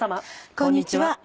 こんにちは。